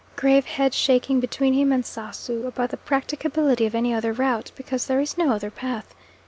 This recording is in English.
Grave headshaking between him and Sasu about the practicability of any other route, because there is no other path.